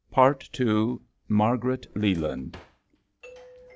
" PART II. MARGARET LELAND.